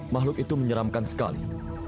makhluk itu menyeramkan sekali